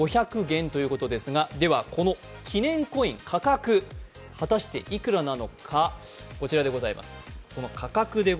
５００元ということですが、この記念コインの価格は果たしていくらなのか、こちらでございます。